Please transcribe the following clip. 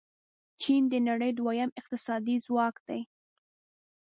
چین د نړۍ دویم اقتصادي ځواک دی.